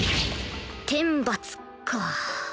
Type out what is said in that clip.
天罰か